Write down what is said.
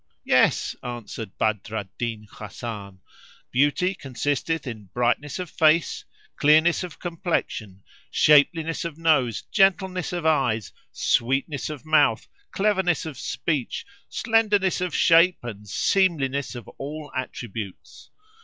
"Yes," answered Badr al Din Hasan, "Beauty consisteth in brightness of face, clearness of complexion, shapeliness of nose, gentleness of eyes, sweetness of mouth, cleverness of speech, slenderness of shape and seemliness of all attributes.